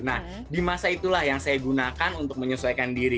nah di masa itulah yang saya gunakan untuk menyesuaikan diri